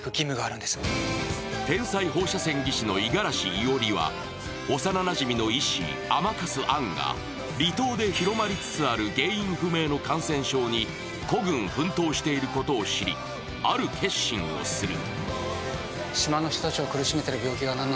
天才放射線技師の五十嵐唯織は幼なじみの医師・甘春杏が離島で広まりつつある原因不明の感染症に孤軍奮闘していることを知り、ある決心をする。